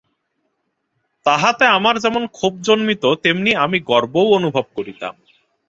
তাহাতে আমার যেমন ক্ষোভ জন্মিত তেমনি আমি গর্বও অনুভব করিতাম।